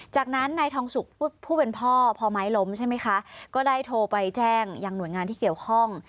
จากนั้นนายทองสุกผู้เป็นพ่อพอไม้ล้มใช่ไหมคะก็ได้โทรไปแจ้งยังหน่วยงานที่เกี่ยวข้อง